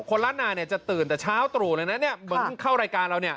คนล้านนาจะตื่นแต่เช้าตรู่เลยนะเหมือนเข้ารายการเราเนี่ย